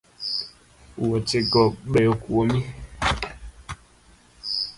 Wuoche go beyo kuomi